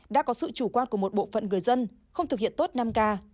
đã có sự chủ quan của một bộ phận người dân không thực hiện tốt năm k